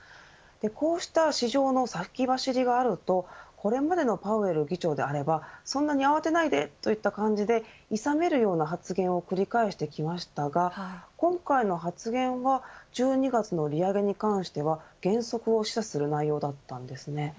こうした市場の先走りがあるとこれまでのパウエル議長であればそんなに慌てないでといった感じでいさめるような発言を繰り返してきましたが今回の発言は１２月の利上げに関しては減速を示唆する内容だったんですね。